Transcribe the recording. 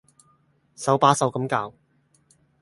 手把手咁教